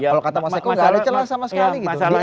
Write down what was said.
kalau kata mas eko nggak ada celah sama sekali gitu